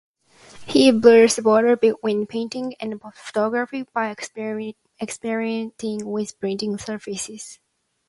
He blurs the border between painting and photography, by experimenting with printing surfaces.